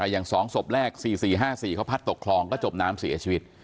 อย่าง๒ศพแรก๔๔๕๔เขาพัดตกคลองก็จมน้ำเสียชีวิต